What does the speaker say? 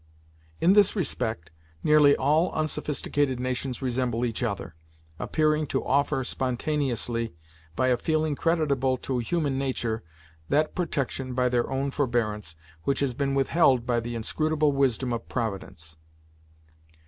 In this respect, nearly all unsophisticated nations resemble each other, appearing to offer spontaneously, by a feeling creditable to human nature, that protection by their own forbearance, which has been withheld by the inscrutable wisdom of Providence.